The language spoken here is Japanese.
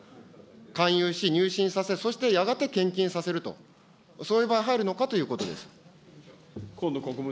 勧誘し、入信させ、そしてやがて献金させると、そういう場合は入るのかということです。